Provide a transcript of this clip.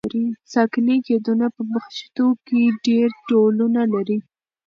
ساکني قیدونه په پښتو کې ډېر ډولونه لري.